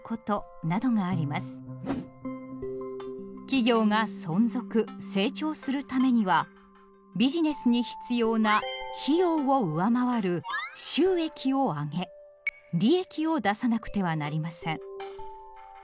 企業が存続成長するためにはビジネスに必要な「費用」を上回る「収益」を上げ「利益」を出さなくてはなりません。